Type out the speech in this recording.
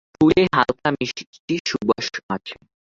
ফুলে হালকা মিষ্টি সুবাস আছে।